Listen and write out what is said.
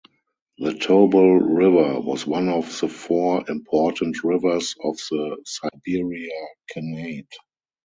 The Tobol River was one of the four important rivers of the Siberia Khanate.